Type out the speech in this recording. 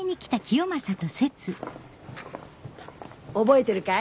覚えてるかい？